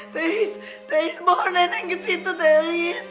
t e i s t e i s bawa nenek ke situ t e i s